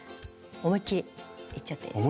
思いっきりいっちゃっていいです。